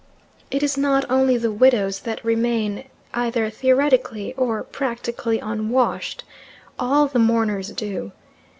It is not only the widows that remain, either theoretically or practically unwashed; all the mourners do.